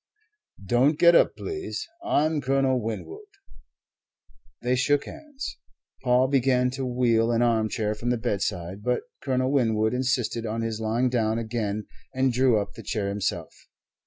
"Don't get up, please. I'm Colonel Winwood." They shook hands. Paul began to wheel an armchair from the bedside, but Colonel Winwood insisted on his lying down again and drew up the chair himself.